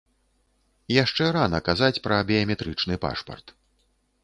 Яшчэ рана казаць пра біяметрычны пашпарт.